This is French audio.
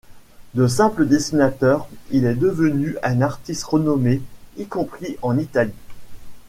De simple dessinateur, il est devenu un artiste renommé, y compris en Italie.